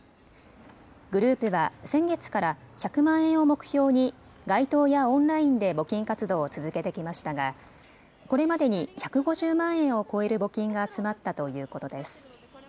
グループは先月から１００万円を目標に街頭やオンラインで募金活動を続けてきましたがこれまでに１５０万円を超える募金が集まったということです。